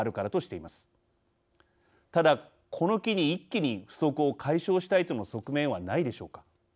ただこの機に一気に不足を解消したいとの側面はないでしょうか。